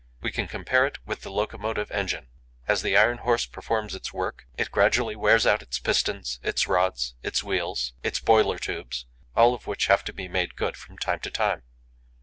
We can compare it with the locomotive engine. As the iron horse performs its work, it gradually wears out its pistons, its rods, its wheels, its boiler tubes, all of which have to be made good from time to time.